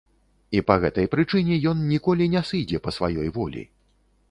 І па гэтай прычыне ён ніколі не сыдзе па сваёй волі.